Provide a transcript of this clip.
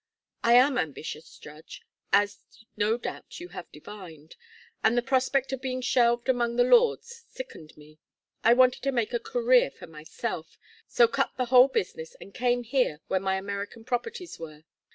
I am ambitious, judge, as no doubt you have divined, and the prospect of being shelved among the lords sickened me. I wanted to make a career for myself, so cut the whole business and came here where my American properties were.